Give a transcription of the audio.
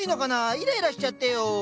イライラしちゃったよ。